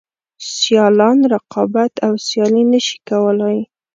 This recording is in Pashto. سیالان رقابت او سیالي نشي کولای.